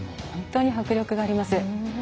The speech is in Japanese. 本当に、迫力があります。